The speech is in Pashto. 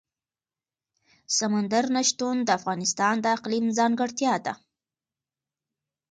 سمندر نه شتون د افغانستان د اقلیم ځانګړتیا ده.